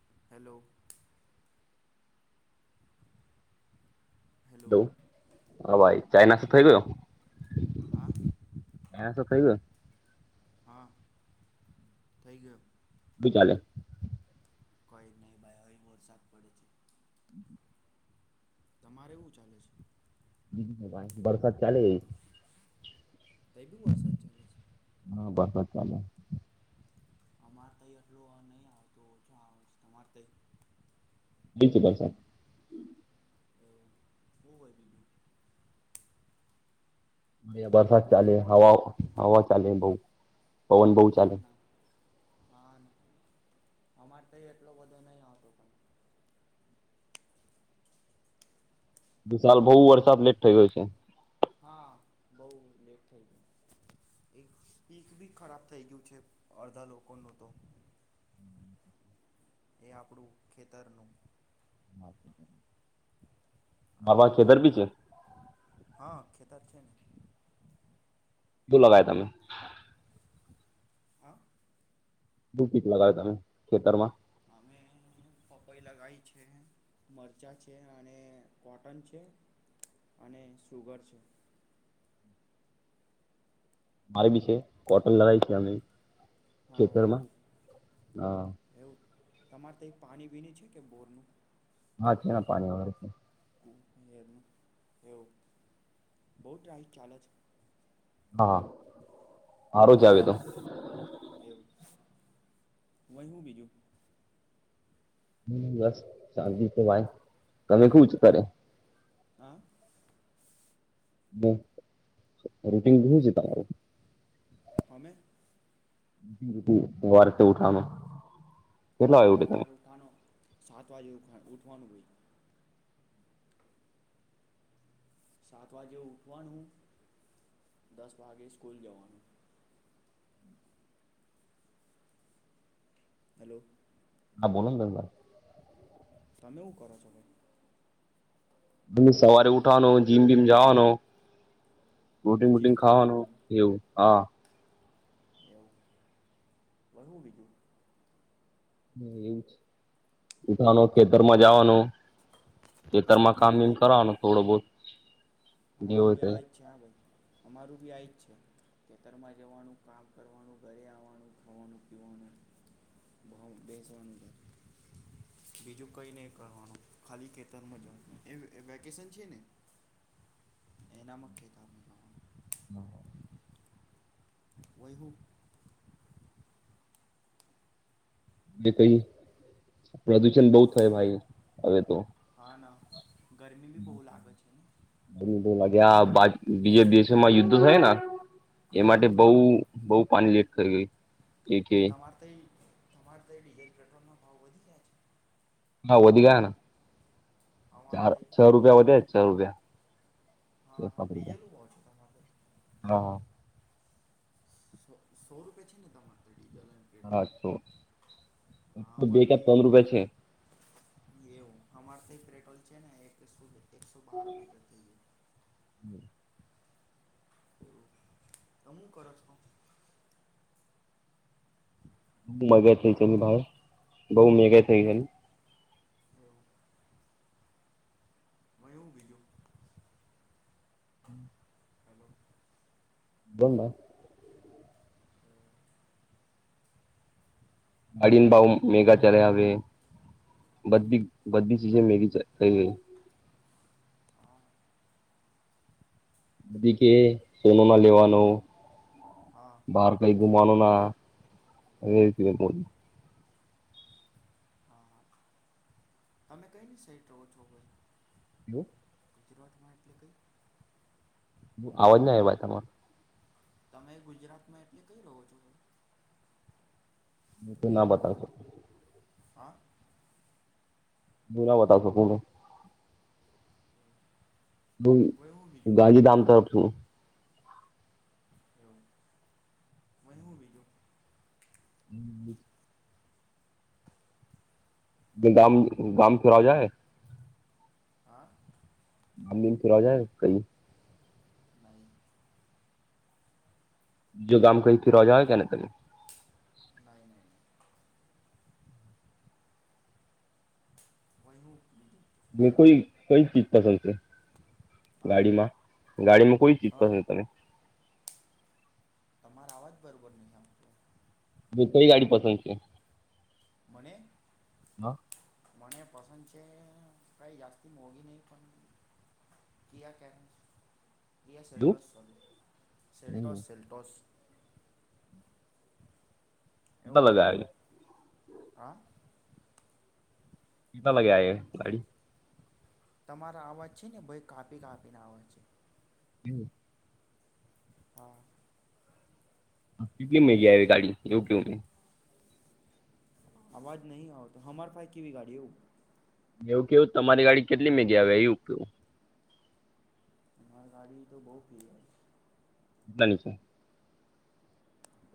[inaudible] Hello. હા ભાઈ China શ થઇ ગયો? હા. એસ ખાઈબ [unintelligible] હા થઈ ગ [unintelligible] શું ચાલે? કોઈ જ નહી ભાઈ અહી વરસાદ પડે છે [unintelligible] [inaudible] તમારે એવું ચાલે છે? [unintelligible] બીજું ભાઈ વરસાદ ચાલે. ત કય વરસાદ ચલે છે. [unintelligible] ચાલો. અમાર તય આટલું નહી આવતું ઓ તમાર ત બિકુભલ સાબ [unintelligible] એ બ વધી [unintelligible] વરસાદ ચાલે હવા હવા ચાલે બઉ. પવન બહુ હા ચાલે. ના હા અમારે તો એટલો બધો નહી આવતો પણ વિશાલ બહુ એવું વર્ષ લેટ થઈ ગયો છે. હા બહુ લેટ થઈ ગઈ એક પીક ભી ખરાબ થઈ ગયું છે અડધા લોકો નુ તો. એ આપણું ખેતરનું. હા બાબા ખેતર વયું બી હોય છે? હા ખેતર છે ને બું લગાય તમે? હા રૂ પીપ લગાવે તમે ખેતરમાં? અમે પપઈ લગાવ છે, મરચાં છે, અને કોટન છે, અને સુગર છે. મારી બી છે કોટન લડાઈ છે અમે. હા ખેતરમાં એવું હા. એવું તમારે ત એ પાણી વિન છે કે બોરનું? હા છે ના પાણી વગર થી. એવું બહુ ટ રાઇટ ચાલે છે? હા. મારો જ એવું આવે તો. એવું વહી હું બીજું? બસ શાન્તિ તો ભાઇ તમે ખુ જ કરે? હા. બ રૂટીન ઘણું છે તમારું. હમે. વાર તે ઉઠાનું. અમારો અવાજ ઉઠાનો સાત વાગે ઉઠવાનું હોય. સાત વાગે ઉઠવાનું, દસ વાગે સ્કૂલ જવાનું. હલો. હા બોલોન તમ ભાઈ. તમેવું કરો છોલે? અ સવારે ઉઠવાનો જીમ બીમ જવાનો. રોટિંગ જીમ બુટીગ કરો છો ખાવાનું તમે એવું હા. એવું બહું બીજું. એવું છે ઉઠવાનું ખેતરમાં જવાનું. ખેતર હા માં કામ અમારે એમ ત્યાં બી કરવાનું થોડો બહુ. અમારું બી આવી છે હા ભાઈ અમારું બી આ જ છે. ખેતરમાં જવાનું કામ કરવાનું ઘરે આવવાનું ખવાનું પીવાનું બેસવાનું ઘ બીજું કઈ નહી કરવાનું ખાલી ખેતરમાં જવાનું વેકેશન છે ને. એનામાં કેતા હમ. વહી હું જે કઈ પ્રદુષણ બહુ થાય ભાઈ હવે તો. તના [unintelligible] લાગ્યા બીજે દિવસ માં યુદ્ધ થાય ને. એ હા માટે હા બઉ હા બઉ પાણી લેટ કર ગઈ. એક એ કે તમારે તો એ તમારે તો એ ડીઝલ પેટ્રોલ ના ભાવ વધી ગયા છે. હા વધધ્યાના. અમારે ચાર તઈ છ બી વધી રૂપિયા ગયા વધે છ રૂપિયા. સ હા હા ડીઝલનું ભાવ છે તમારે હા. સો રૂપે છે ને તમારે ત્યાં? હાછો હા બે અમારે ક્યાં તઈ પંદ રૂપિયા છે. એવું અમાર તો પેટ્રોલ છે ને એક સુધી હમ [inaudible] [unintelligible] હ મગા ઈ હલો છેની ભાઈ. બહુ મેહંગા થઇ તમે ગયાને? એવું [inaudible] હલો [unintelligible] ગાડીને ભાવ મેહંગા ચાલ્યા આવે બધી બધી ચીજો મેહંગી ચા થઈ ગઈ. હા [unintelligible] કે સોનો ના લેવાનો હા બહાર કઈ ઘુમાનો ના એ રીતને એવું [unintelligible] હા હા તમે કઈની સાઈટ રહો છો, ભાઈ? મું? ગુજરાતમાં એટલે કઈ આવવાજ ના આવ્યા તમારો. તમે ગુજરાતમાં એટલે કઈ રહો છો? હું તો ના બતાવી શકું. હા. હું ના બતાવી શકું. દુઈ વય હું બીજું ગાંધીધામ તરફ શું. [inaudible] [inaudible] ગામ ગામ [unintelligible] જાય હા. આમદન ફર આવ જાય કઈ. નહીં જો ગામ કઈ થી રજા હોય કેને તમે. નહીં નહીં નહીં [inaudible] મ કોઈ કઈ ચીજ પસંદ છે? હા ગાડીમાં ગાડીમાં કોઈ ચીજ હા પસંદ તમે? મા આવાજ બરોબર નહી આવે. બ કઈ ગાડી પસંદ છે? મને. હા. મને પસંદ છે કઈ જાસ્તી મોગી નહીં પણ ક આ કેસ. યા તું સેલો સેલો હમ સેલટોસ. કેટલા એવું હોય હું બગા. હા. પીતા લગ્યા એ ગાડી. તમારા અવાજ છે ને ભાઈ કાપી કાપીને અવાજ છે. હમ. હા કેટલી મેગી આવી ગાડી એવું કેવું. અવાજ નહી આવતો હમાર પાાઈ કેવી ગાડી હું. એવું કેવું તમારી ગાડી કેટલી મેગી આવે એવું કેું. અરી ગાડી તો બહ ફી. બની છે.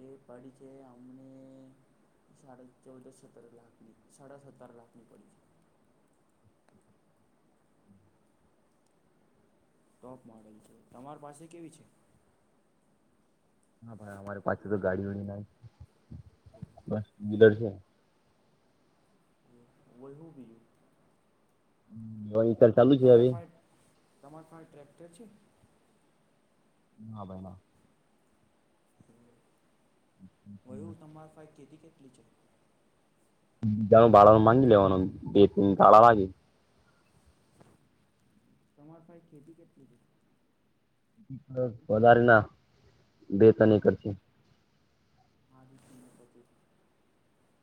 એ પડી છે અમને સાડા ચૌદ સત્તર લાખની સાડા સત્તર લાખ ની પડી છે. ટોપ મોડલ છે તમાર પાસે કેવી છે. હા ભ અમારે પાછું તો ગાડીઓડી ના. બસ. બીદળ છે. વહું બી. હ વહી. લ ચાલુ છે હવે. તમાર ખાસ ટ્રેક્ટર છે. ના ભાઈ ના. હય હ તમારે ફાઈ ખેતી કેતી. ટ છે. બીજા ભળ માંગી લેવાનું બે ત તાળા લાગી. તમારફાઈ ખેતી કેધ. વધારે ના બેતો ન કરતી. આદ પછ.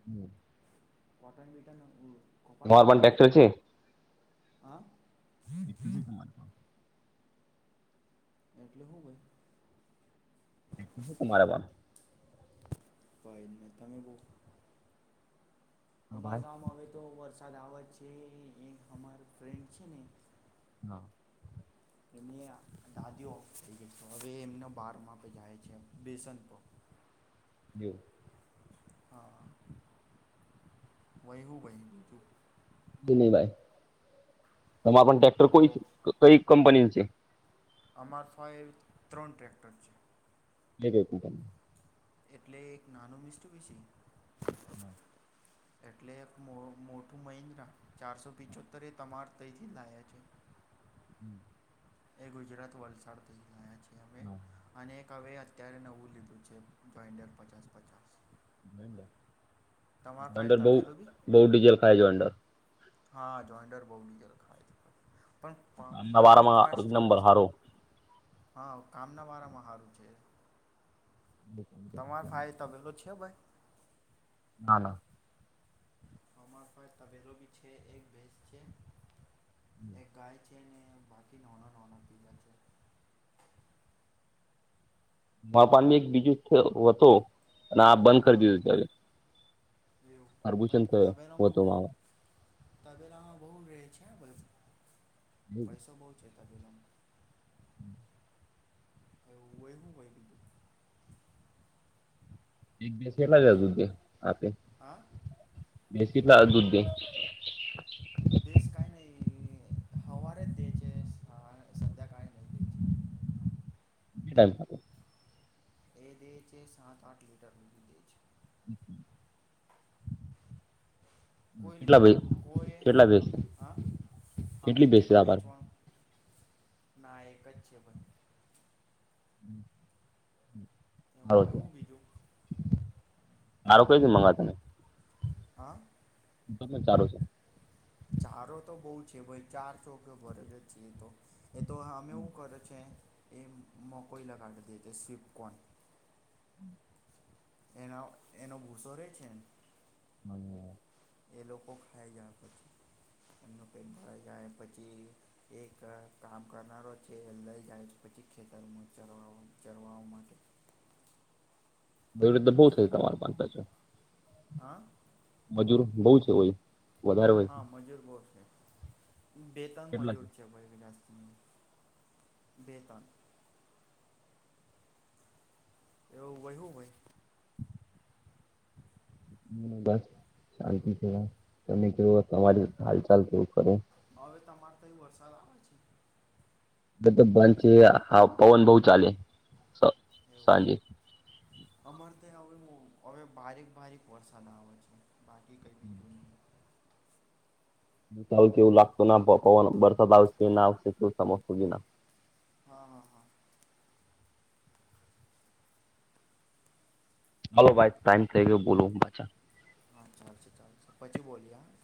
હમ. પટન બટન હ. ઘર પાણ ટ્રક્ટર છે. હા. એટ ચક મારી. એટલે શું ભાઈ. ક મારાબ. પ એને તમેમે પો. અમારા ગામમાં અવે તો વર્ષ આવાજ છે એ અમાર ફ્રેન્ડ છે ને હા. દાદીઓ થઈ ગઈ છે હવે એમના બારમાંપે જાય છે બેસન પ્રો જો હા વહી હું વહી દીધું. દિનિભાઈ. તમારા પણ ટેક્ટર કોઈ એવો કઈ કંપની નું છે? એ અમાર ફ એ ત્રણ ટ્રેક્ટર છે. [unintelligible] એટલે એક નાનું મિસ્ટઠું બી ને. હા. એટલે એક મોઠું મહિન્દ્રા ચારસો પિચોતેર એ તમારે તઈથી લય છે. હમ. એ ગુજરાત વલ સાડથી [unintelligible] હમ. હવે અત્યારે નવું લીધું છે, જોઈન્ડર પચાસ પચાસ. [unintelligible] જો તમાર પાસે અંડર બઉ તપેલું બી બઉ ડીઝલ ખાય જો અંડર હા જોઈડર બઉ ડીઝલ ખાય છે. પણ આમના કામભી વારામાં એક ફાસ્ટ કરે નંબર છે. હારો હા, કામના વારામાં હારું છેે. તમાર ફાઈ તબેલો છે. કેમ ભાઈ ના ના અમારા પાહે તબેલોભી છે એક ભેસ છે. એક ગાય [inaudible] છે ને બાકી નોના નોના [unintelligible] છે. [unintelligible] એક બીજું છ હોતો અને આ બંધ કરી હા દીધું ત્યારે એવું પણ અરભુચંત તબેલામાં [unintelligible] તબેલામાં બઉ રેહ છે બસ પૈસો બહું છે. તબેલામાં [unintelligible] બેસેલા [unintelligible] દે આપે આ? દેશ કેટલા અદભુધે. દેશ કઈ નહી હવારે જ દેય છે સંધ્યાકાળ નઈ દેઈ છે. [unintelligible] એ દે છે સાત આઠ લીટર નું દે છે. [inaudible] કોઈ કેટલા ભે લેટ કોઈ કેટલા ભેંસ હ અમે કેટલી ભેંસ છે કેલા તમારે વેચવાનું? ના એકક જ છે પણ. હમ. એ હોયવું બીજું માારો કોઈ દી મંગાતા નઈ. હા. [unintelligible] સારું છે. ચારો તો બહુ છે ભઈ ચાર ચોકે ભરજ જ છે તો એ તો હામે હું કરે છે. એમ મો કોઈ લગાડ ધતી છે સ્વિપકોન એનો એનો ભુસો રે છે ન એ લોકો ખાઈ જાય પછી એમનું પેટ ભરાય જાય પછી એક કામ કરનારો છે અંદર જાય છે પછી ખેતરમાં ચરવામા ચરવા માટે બેવ રીતે બહુ થઈ તમાર પા પાછું હા. મજૂર બહુ છે હોય. વધારે હોય છે. હા, મજૂર બહુ છે. બે તન મજુર છે [unintelligible] હમ, બે તન એવું વહ્યું હોય મને બસ શાંતિ છે, તમે કેવો તમારી હાલ ચાલ કેવું ખરું? હવે તમાર તઈ વરસાદ આવે છે. બધુ બંધ છે હાવ પવન બઉ ચાલે. સ એવું સાંજે અમારે ત્યા બઉ હવે ભારીક ભારીક વરસાદ આવે છે. બાકી કંઈ હમ. બીજું નહીં ક્યારેક કેવું લાગતું ના પ પવન વરસાદ આવશે ના આવશે કેવું સમજતો ગ ના. હા હા હા. હલો ભાઈ ટાઈમ થઈ ગયો બોલું બાચા. હા, ચાલશે ચાલશે પછી બોલીયે હ.